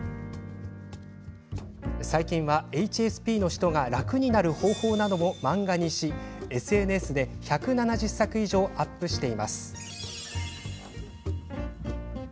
最近はＨＳＰの人が楽になる方法なども漫画にしＳＮＳで１７０作以上アップしています。